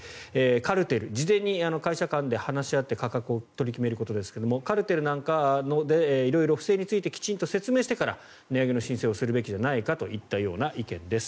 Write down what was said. カルテル事前に会社間で話し合って価格を取り決めることですがカルテルなど色々不正についてきちんと説明してから値上げの申請をするべきじゃないかという意見です。